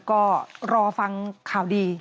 ก็รอฟังข่าวดี